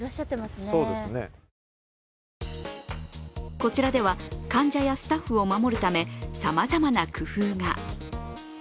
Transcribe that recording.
こちらでは、患者やスタッフを守るため、さまざまな工夫が。